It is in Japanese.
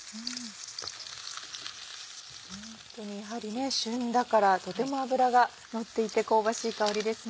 ホントにやはり旬だからとても脂がのっていて香ばしい香りですね。